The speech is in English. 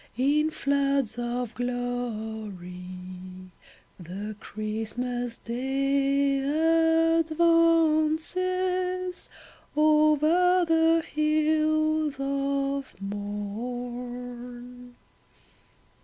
in floods of glory The Christmas Day advances over the hills of morn